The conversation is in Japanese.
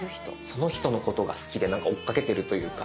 その人のことが好きで追っかけてるというか。